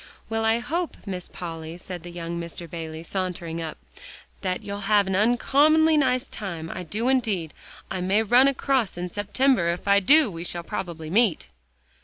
"Well, I hope, Miss Polly," said young Mr. Bayley, sauntering up, "that you'll have an uncommonly nice time, I do indeed. I may run across in September; if I do, we shall probably meet."